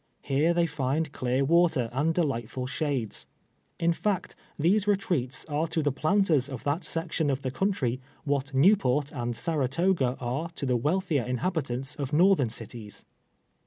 Here they find clear water and delightful shades. In fact, these retreats are to the }»lanters of that section of the country what jS^ew poTt and Saratoga are to the wealthier iiduibitants of northern cities.